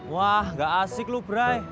wah gak asik loh brai